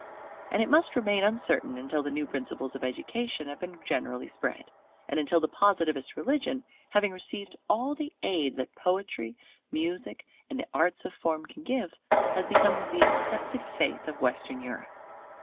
And it must remain uncertain until the new principles of education have been generally spread, and until the Positivist religion, having received all the aid that Poetry, Music, and the arts of Form can give, has become the accepted faith of Western Europe.